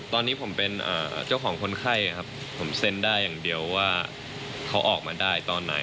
ตอนนี้ผมเป็นเจ้าของคนไข้ครับผมเซ็นได้อย่างเดียวว่าเขาออกมาได้ตอนไหน